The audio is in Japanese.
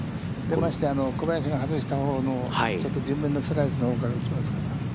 小林が外したほうの順目のスライスのほうから打ちますから。